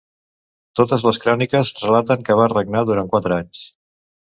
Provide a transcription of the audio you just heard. Totes les cròniques relaten que va regnar durant quatre anys.